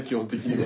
はい。